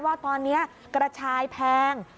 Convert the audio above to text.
ว่าตอนนี้กระชายแพง